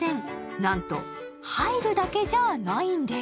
なんと入るだけじゃないんです・